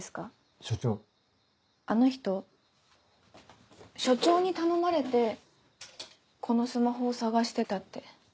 あの人署長に頼まれてこのスマホを捜してたって。